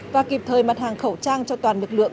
và kịp thời mặt hàng khẩu trang cho toàn lực lượng